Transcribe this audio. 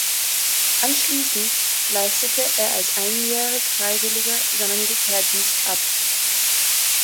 Anschließend leistete er als Einjährig-Freiwilliger seinen Militärdienst ab.